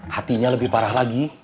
hatinya lebih parah lagi